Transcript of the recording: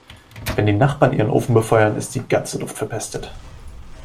Wenn die Nachbarn ihren Ofen befeuern, ist die ganze Luft verpestet.